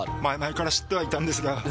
前々から知ってはいたんですが。